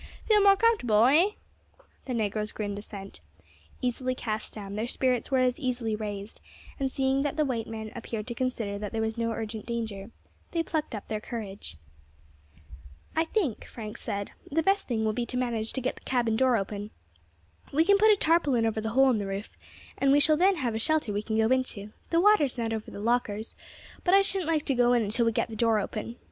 Feel more comfortable eh?" The negroes grinned assent. Easily cast down, their spirits were as easily raised, and seeing that the white men appeared to consider that there was no urgent danger, they soon plucked up their courage. "I think," Frank said, "the best thing will be to manage to get the cabin door open. We can put a tarpaulin over the hole in the roof, and we shall then have a shelter we can go into; the water is not over the lockers, but I shouldn't like to go in until we get the door open.